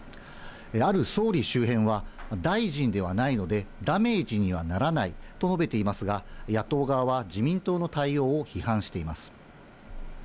ある総理周辺は、大臣ではないのでダメージにはならないと述べていますが、野党側は自民党の対応を批判しています。